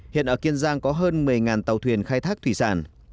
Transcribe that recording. hiện ở kiên giang có hơn một mươi tàu thuyền khai thác thủy sản